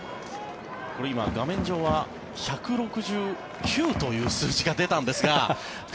画面上は１６９という数字が出たんですが。